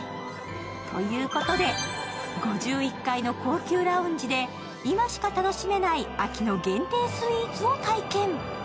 ということで５１階の高級ラウンジで今しか楽しめない秋の限定スイーツを体験。